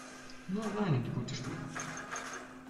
Nur herein in die gute Stube!